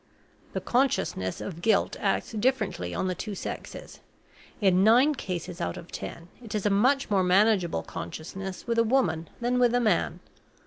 The consciousness of guilt acts differently on the two sexes. In nine cases out of ten, it is a much more manageable consciousness with a woman than with a man.